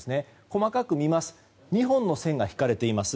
細かく見ますと２本の線が引かれています。